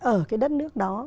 ở cái đất nước đó